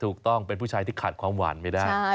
ถูกต้องเป็นผู้ชายที่ขาดความหวานไม่ได้